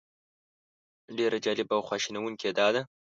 ډېره جالبه او خواشینونکې یې دا ده.